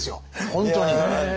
本当に。